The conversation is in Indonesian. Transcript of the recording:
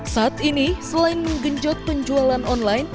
saat ini selain menggenjot penjualan online